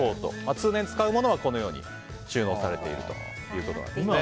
通年使うものは、このように収納されているということです。